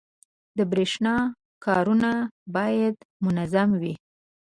• د برېښنا کارونه باید منظم وي.